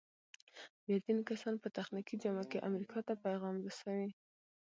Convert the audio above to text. بیا ځینې کسان په تخنیکي جامه کې امریکا ته پیغام رسوي.